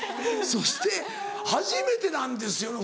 そして初めてなんですよね